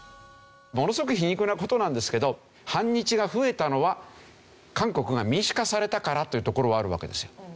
ものすごく皮肉な事なんですけど反日が増えたのは韓国が民主化されたからというところはあるわけですよ。